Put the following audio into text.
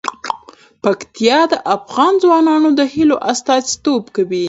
پکتیا د افغان ځوانانو د هیلو استازیتوب کوي.